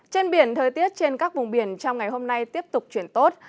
trên biển thời tiết trên các vùng biển trong ngày hôm nay tiếp tục chuyển tốt